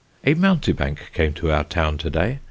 A mountebank came to our towne to day.